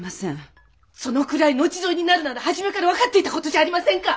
そのくらい後添えになるなら初めから分かっていた事じゃありませんか！